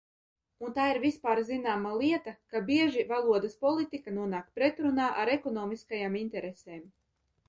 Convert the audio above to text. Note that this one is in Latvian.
Un tā ir vispārzināma lieta, ka bieži valodas politika nonāk pretrunā ar ekonomiskajām interesēm.